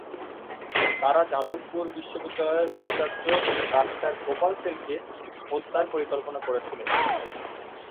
তারা যাদবপুর বিশ্ববিদ্যালয়ের উপাচার্য ডাক্তার গোপাল সেন কে হত্যার পরিকল্পনা করেছিল।